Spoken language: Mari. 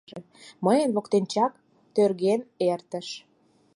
Мыйын воктечак тӧрген эртыш...